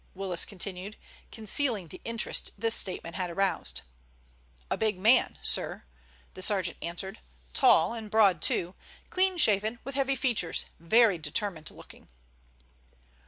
Willis continued, concealing the interest this statement had aroused. "A big man, sir," the sergeant answered. "Tall, and broad too. Clean shaven, with heavy features, very determined looking."